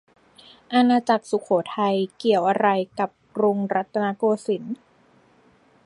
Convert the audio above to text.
อาณาจักรสุโขทัย เกี่ยวอะไรกับกรุงรัตนโกสินทร์